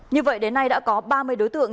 như vậy đến nay đã có ba mươi đối tượng